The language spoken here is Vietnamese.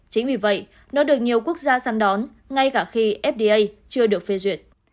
chính vì vậy nó được nhiều quốc gia săn đón ngay cả khi fda chưa được phê duyệt